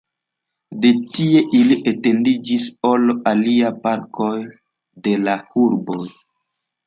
De tie, Ili etendiĝis al aliaj parkoj de la urbo.